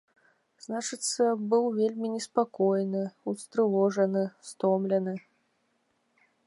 Значыцца, быў вельмі неспакойны, устрывожаны, стомлены.